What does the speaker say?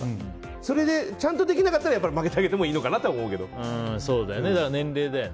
それでちゃんとできなかったら負けてあげてもいいのかなとは年齢だよね。